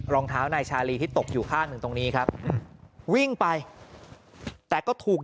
รองเท้านายชาลีที่ตกอยู่ข้างหนึ่งตรงนี้ครับวิ่งไปแต่ก็ถูก